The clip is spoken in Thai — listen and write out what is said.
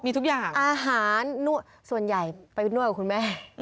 มีทุกอย่างอาหารส่วนใหญ่ไปนวดกับคุณแม่